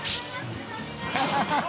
ハハハ